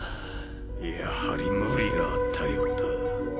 やはり無理があったようだ。